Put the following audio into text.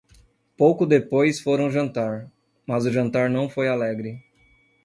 Pouco depois foram jantar; mas o jantar não foi alegre.